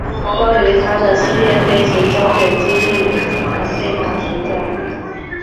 关于他的试验飞行胶卷今日依然被保存着。